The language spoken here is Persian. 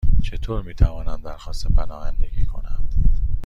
چطور می توانم درخواست پناهندگی کنم؟